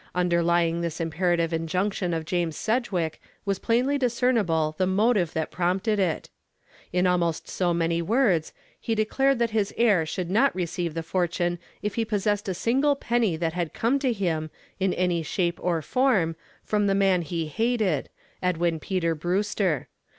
Underlying this imperative injunction of James Sedgwick was plainly discernible the motive that prompted it. In almost so many words he declared that his heir should not receive the fortune if he possessed a single penny that had come to him, in any shape or form, from the man he hated, Edwin Peter Brewster.